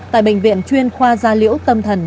tại bệnh viện chuyên khoa gia liễu tâm thần